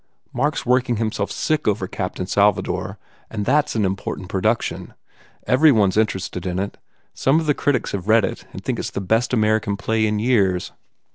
Mark s working himself sick over Captain Salvador and that s an important production. Every one s interested in it. Some of the critics have read it and think 205 THE FAIR REWARDS it s the best American play in years.